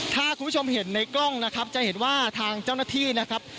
ถ้าคุณผู้ชมเห็นในกล้องนะครับจะเห็นว่าทางเจ้าหน้าที่นะครับ